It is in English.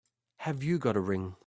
Have you got a ring?